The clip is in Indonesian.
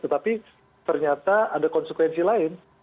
tetapi ternyata ada konsekuensi lain